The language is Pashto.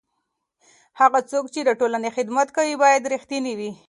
هغه څوک چې د ټولنې خدمت کوي باید رښتینی وي.